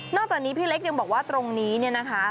นอกจากนี้พี่เล็กยังบอกว่าตรงนี้นะคะ